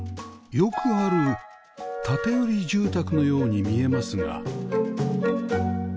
よくある建売住宅のように見えますが